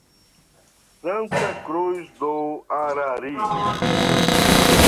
Santa Cruz do Arari